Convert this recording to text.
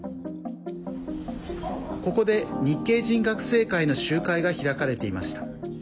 ここで、日系人学生会の集会が開かれていました。